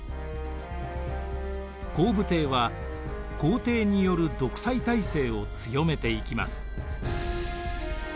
洪武帝は皇帝による独裁体制を強めていきます。